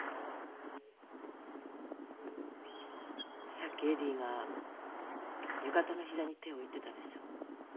さっきエディが浴衣の膝に手を置いてたでしょ。